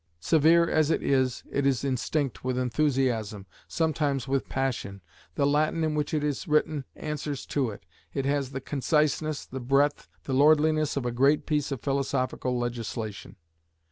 Severe as it is, it is instinct with enthusiasm, sometimes with passion. The Latin in which it is written answers to it; it has the conciseness, the breadth, the lordliness of a great piece of philosophical legislation.